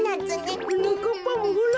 はなかっぱもほら。